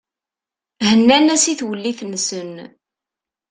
Hennan-as i twellit-nsen.